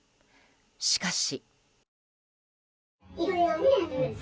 しかし。